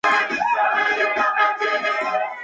Banderas con estrellas heráldicas